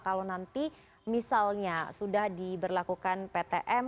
kalau nanti misalnya sudah diberlakukan ptm